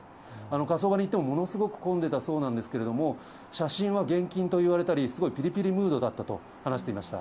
火葬場に行っても、ものすごく混んでたそうなんですけれども、写真は厳禁と言われたり、すごいぴりぴりムードだったと話していました。